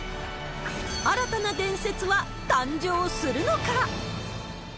新たな伝説は誕生するのか？